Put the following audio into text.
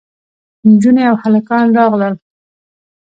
نجونې او هلکان راغلل.